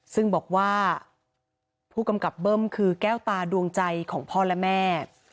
ซึ่งบอกว่าผู้กำกับเบิ้มคือแก้วตาดวงใจของพ่อและแม่